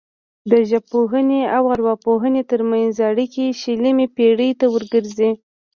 د ژبپوهنې او ارواپوهنې ترمنځ اړیکې شلمې پیړۍ ته ورګرځي